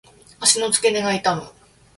足の付け根が痛む。